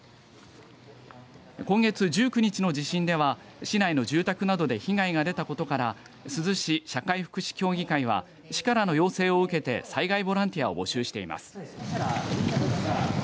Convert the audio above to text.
今月１９日の地震では市内の住宅などで被害が出たことから珠洲市社会福祉協議会は市からの要請を受けて災害ボランティアを募集しています。